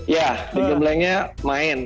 ya digemblengnya main